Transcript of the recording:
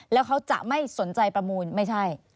แล้วเขาจะไม่สนใจประมูลไม่ใช่